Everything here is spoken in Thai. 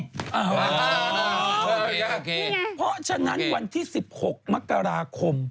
เพราะฉะนั้นวันที่๑๖มกราคม